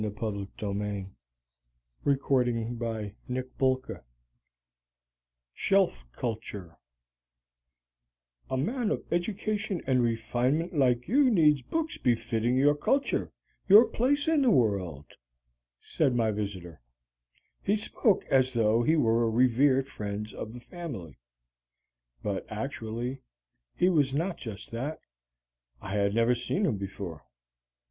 SHELF CULTURE [Illustration: Decorative letter "A"] "A man of education and refinement like you needs books befitting your culture your place in the world," said my visitor. He spoke as though he were a revered friend of the family. But actually he was not just that. I had never seen him before.